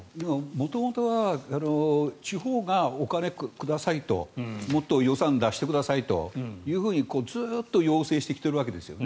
元々は地方がお金をくださいともっと予算を出してくださいとずっと要請してきてるわけです。